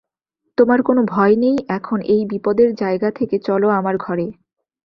তোমার কোনো ভয় নেই, এখন এই বিপদের জায়গা থেকে চলো আমার ঘরে।